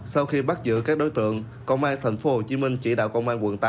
sau khi bắt giữ các đối tượng công an thành phố hồ chí minh trị đạo công an quận tám